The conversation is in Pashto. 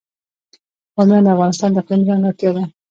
بامیان د افغانستان د اقلیم ځانګړتیا ده.